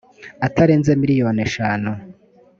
atarenze miliyoni eshanu frw